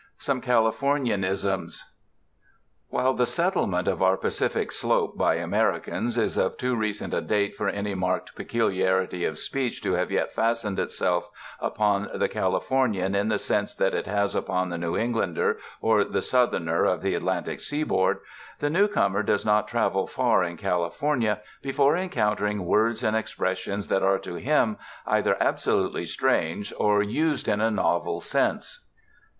Some Californtanisms While the settlement of our Pacific slope by Americans is of too recent a date for any marked peculiarity of speech to have yet fastened itself upon the Californian in the sense that it has upon the New Englander or the Southerner of the Atlan tic seaboard, the newcomer does not travel far in California before encountering words and expres sions that are to him either absolutely strange or used in a novel sense.